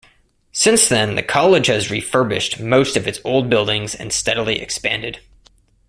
Since then the college has refurbished most of its old buildings and steadily expanded.